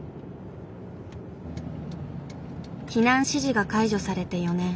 避難指示が解除されて４年。